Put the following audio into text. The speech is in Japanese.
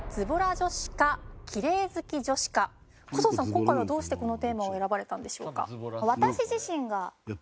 今回はどうしてこのテーマを選ばれたんでしょうか？